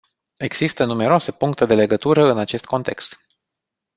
Există numeroase puncte de legătură în acest context.